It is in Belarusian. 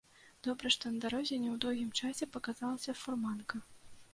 Добра, што на дарозе не ў доўгім часе паказалася фурманка.